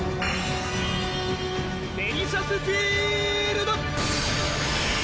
デリシャスフィールド！